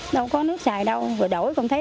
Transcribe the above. đâu có nước xài đâu rồi đổi không thấy